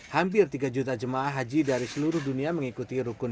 hampir tiga juta jemaah haji dari seluruh dunia mengikuti rukun